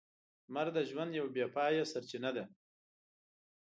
لمر د ژوند یوه بې پايه سرچینه ده.